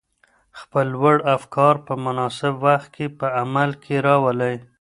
خپل لوړ افکار په مناسب وخت کي په عمل کي راولئ.